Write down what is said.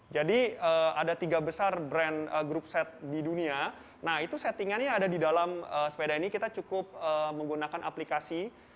jadi ada tiga besar brand groupset di dunia nah itu settingannya ada di dalam sepeda ini kita cukup menggunakan aplikasi